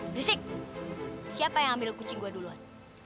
berisik siapa yang ambil kucing gua duluan